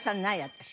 私。